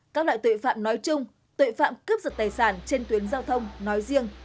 các loại tội phạm nói chung tội phạm cướp giật tài sản trên tuyến giao thông nói riêng